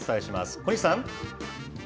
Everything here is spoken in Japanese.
小西さん。